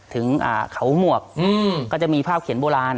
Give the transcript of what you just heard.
ถึงเขาหมวกก็จะมีภาพเขียนโบราณ